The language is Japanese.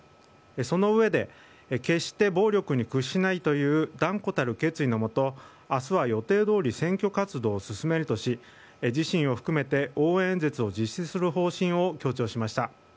その上で決して暴力に屈しないという断固たる決意のもと明日は予定どおり選挙活動を進めるとし自身を含めて応援演説を実施する方針を強調しました。